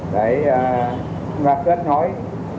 để ra kết nối